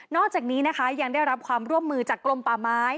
อกจากนี้นะคะยังได้รับความร่วมมือจากกลมป่าไม้